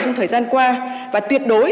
trong thời gian qua và tuyệt đối